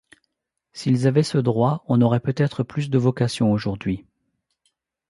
S’ils avaient ce droit, on aurait peut-être plus de vocations aujourd’hui.